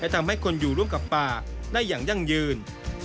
ทำให้คนอยู่ร่วมกับป่าได้อย่างยั่งยืน